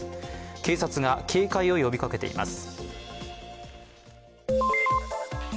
警察が警戒を呼びかけています。